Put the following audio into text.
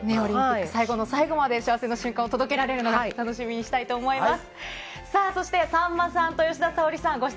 最後の最後まで幸せの瞬間を届けられるように楽しみにしたいと思います。